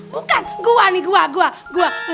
bukan bukan gua nih gua